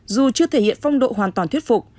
dù chưa thể hiện phong độ hoàn toàn thuyết phục